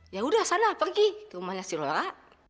ya udah sana pergi ke rumahnya si laura